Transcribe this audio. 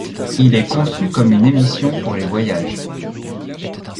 Il est conçu comme une émission pour les voyages.